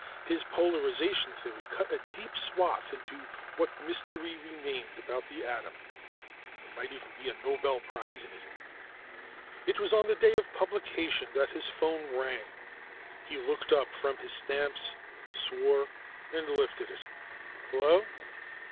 His polarization theory cut a deep swath into what mystery remained about the atom. There might even be a Nobel Prize in it. It was on the day of publication that his phone rang. He looked up from his stamps, swore, and lifted it. "Hello?"